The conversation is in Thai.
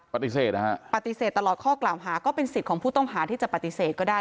ปฏิเสธนะฮะปฏิเสธตลอดข้อกล่าวหาก็เป็นสิทธิ์ของผู้ต้องหาที่จะปฏิเสธก็ได้